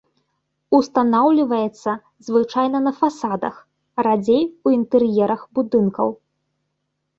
Устанаўліваецца звычайна на фасадах, радзей у інтэр'ерах будынкаў.